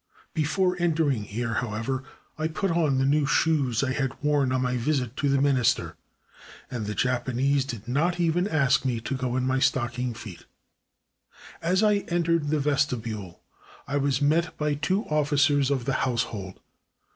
Before entering here, however, I put on the new shoes I had worn on my 438 THE PRESIDENT'S LETTER visit to the Minister, and the Japanese did not even ask me to go in my stocking feet. As I entered the vestibule I was met by two ofl5cers of the household.